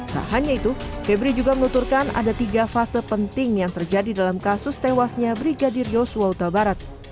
tak hanya itu febri juga menuturkan ada tiga fase penting yang terjadi dalam kasus tewasnya brigadir yosua utabarat